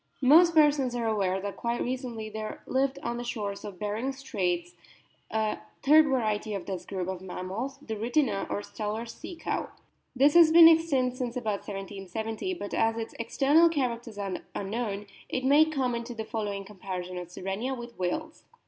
Most persons are aware that quite recently there lived on the shores of Behring's Straits a third variety of this group of mammals, the Rhytina, or Steller's Sea cow. This has been extinct since about 1770. But, as its external characters are known, it may come into the following comparison of Sirenia with whales.